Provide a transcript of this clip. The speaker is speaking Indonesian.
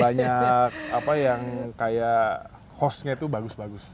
banyak apa yang kayak hostnya itu bagus bagus